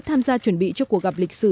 tham gia chuẩn bị cho cuộc gặp lịch sử